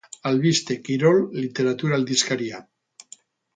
Albiste, kirol, literatura aldizkaria.